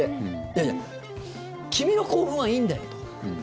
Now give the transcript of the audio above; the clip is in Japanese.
いやいや君の興奮はいいんだよと。